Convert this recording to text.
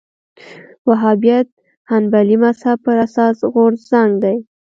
وهابیت حنبلي مذهب پر اساس غورځنګ دی